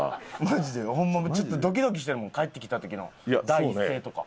マジでホンマちょっとドキドキしてるもん帰ってきた時の第一声とか。